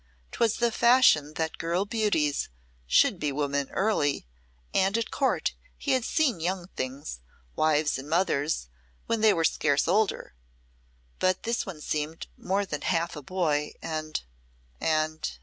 'Twas the fashion that girl beauties should be women early, and at Court he had seen young things, wives and mothers when they were scarce older; but this one seemed more than half a boy and and